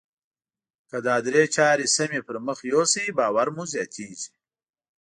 که دا درې چارې سمې پر مخ يوسئ باور مو زیاتیږي.